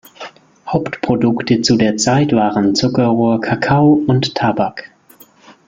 Hauptprodukte zu der Zeit waren Zuckerrohr, Kakao und Tabak.